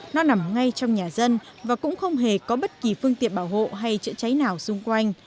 nó nằm ngay trong nhà dân và cũng không hề có bất kỳ phương tiện bảo hộ hay chữa cháy nào xung quanh